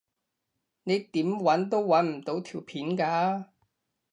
你點搵都搵唔到條片㗎